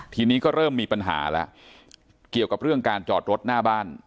ทีนี้ก็เริ่มมีปัญหาแล้วเกี่ยวกับเรื่องการจอดรถหน้าบ้าน